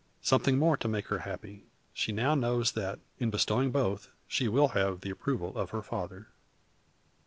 Something more to make her happy; she now knows that, in the bestowing of both, she will have the approval of her father.